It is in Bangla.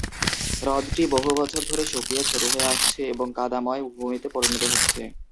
হ্রদটি বহু বছর ধরে শুকিয়ে ছোট হয়ে আসছে এবং কাদাময় ভূমিতে পরিণত হচ্ছে।